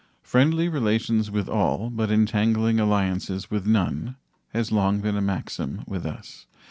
"Friendly relations with all, but entangling alliances with none," has long been a maxim with us.